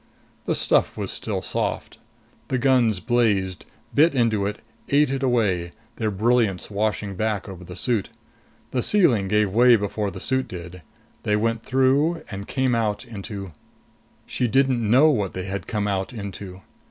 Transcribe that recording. The stuff was still soft. The guns blazed, bit into it, ate it away, their brilliance washing back over the suit. The sealing gave way before the suit did. They went through and came out into.... She didn't know what they had come out into.